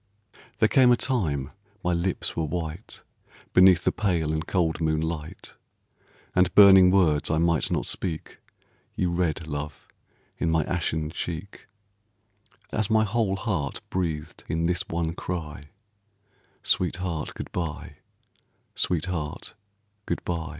There came a time my lips were white Beneath the pale and cold moonlight, And burning words I might not speak, You read, love, in my ashen cheek, As my whole heart breathed in this one cry, "Sweetheart, good by, sweetheart, good by."